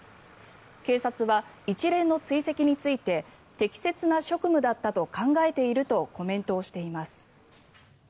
警察は一連の追跡について適切な職務だったと考えているとコメントしています。